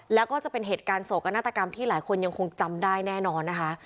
แล้วก็จะเป็นเหตุการณ์โศกนาฏกรรมที่หลายคนยังคงจำได้แน่นอนนะคะ